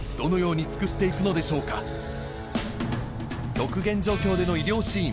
極限状況での医療シーン